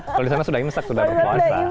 kalau di sana sudah imsak sudah berpuasa